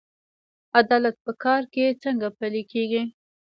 عدالت په کار کې څنګه پلی کیږي؟